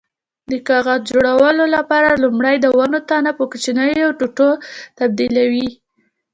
د کاغذ جوړولو لپاره لومړی د ونو تنه په کوچنیو ټوټو تبدیلوي.